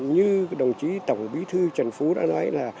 như đồng chí tổng bí thư trần phú đã nói là